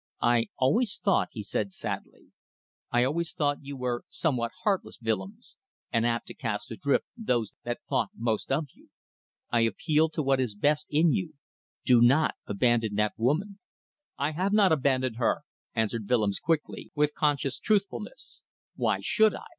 "I always thought," he said, sadly, "I always thought you were somewhat heartless, Willems, and apt to cast adrift those that thought most of you. I appeal to what is best in you; do not abandon that woman." "I have not abandoned her," answered Willems, quickly, with conscious truthfulness. "Why should I?